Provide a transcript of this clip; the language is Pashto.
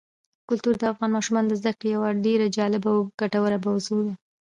کلتور د افغان ماشومانو د زده کړې یوه ډېره جالبه او ګټوره موضوع ده.